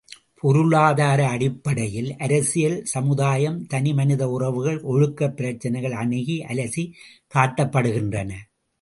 பொருளாதார அடிப்படையில் அரசியல் சமுதாயம், தனிமனித உறவுகள் ஒழுக்கப் பிரச்சனைகள் அணுகி அலசிக் காட்டப்படுகின்றன.